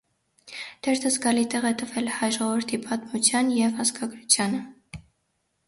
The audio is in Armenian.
Թերթը զգալի տեղ է տվել հայ ժողովրդի պատմությանը և ազգագրությանը։